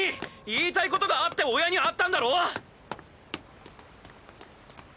言いたい事があって親に会ったんだろ？